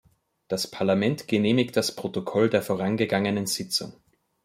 Das Parlament genehmigt das Protokoll der vorangegangenen Sitzung.